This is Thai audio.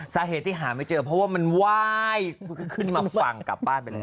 สาเหตุที่หาไม่เจอเพราะว่ามันไหว้ขึ้นมาฝั่งกลับบ้านไปแล้ว